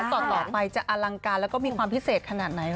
ต่อไปจะอลังการแล้วก็มีความพิเศษขนาดไหน